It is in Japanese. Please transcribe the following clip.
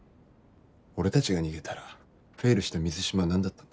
俺たちが逃げたらフェイルした水島は何だったんだ。